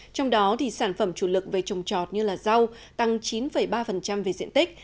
trong đó sản phẩm chủ lực về trồng trọt như rau tăng chín ba về diện tích